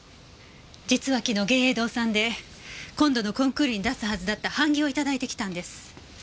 実は昨日藝榮堂さんで今度のコンクールに出すはずだった版木を頂いてきたんです。